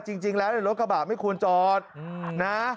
จริงแล้วรถกระบะไม่ควรจอดนะ